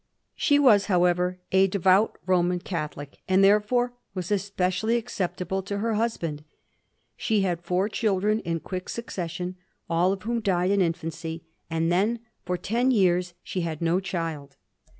She was, however, A devout Roman Catholic, and therefore was espe cially acceptable to her husband. She had four children in quick succession, all of whom died in infiancy ; and then for ten years she had no child.